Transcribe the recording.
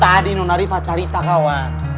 tadi nona riva carita kawan